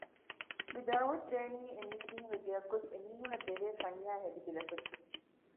މި ދަޢުވަތު ދޭނީ އެ މީސްމީހުންގެ ގެޔަށް ގޮސް އެ މީހުންނަށް ދެވޭ ފަންޏާއި ހެދިބިލަތުން